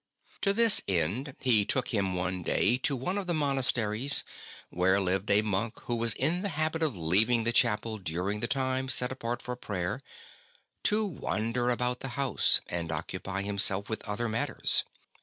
To this 44 ST. BENEDICT end he took him one day to one of the monasteries, where Hved a monk who was in the habit of leaving the chapel during the time set apart for prayer, to wander about the house and occupy himself with other matters.